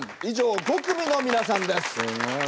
以上５組の皆さんです。